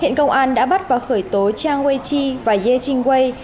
hiện công an đã bắt vào khởi tố chiang wei chi và ye qingwei